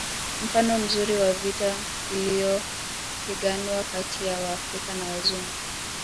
Mfano mzuri wa vita iliyopiganwa kati ya Waafrika na Wazungu